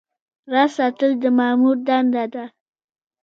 راز ساتل د مامور دنده ده